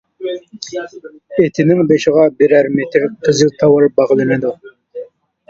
ئېتىنىڭ بېشىغا بىرەر مېتىر قىزىل تاۋار باغلىنىدۇ.